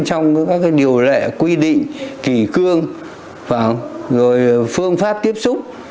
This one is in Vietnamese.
trong các điều lệ quy định kỷ cương rồi phương pháp tiếp xúc